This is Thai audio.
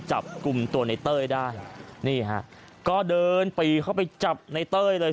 จับกลุ่มตัวในเต้ยได้นี่ฮะก็เดินปีเข้าไปจับในเต้ยเลย